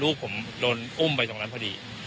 ลูกผมโดนอุ้มไปตรงนั้นพอดี